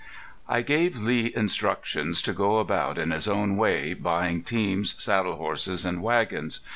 I gave Lee instructions to go about in his own way buying teams, saddle horses, and wagons.